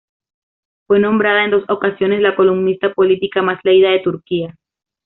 Fue nombrada en dos ocasiones la columnista política más leída de Turquía.